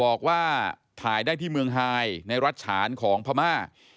บอกว่าถ่ายได้ที่เมืองไฮในรัฐฉานของพม่า